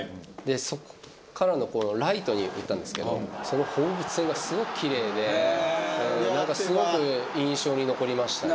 そこからのライトに打ったんですけどその放物線がすごく奇麗ですごく印象に残りましたね。